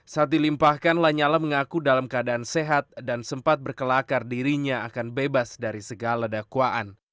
saat dilimpahkan lanyala mengaku dalam keadaan sehat dan sempat berkelakar dirinya akan bebas dari segala dakwaan